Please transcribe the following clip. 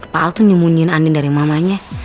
pak al tuh nyemunyiin andin dari mamanya